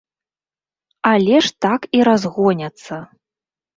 Але ж так і разгоняцца!